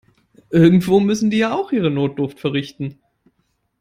Irgendwo müssen die ja auch ihre Notdurft verrichten.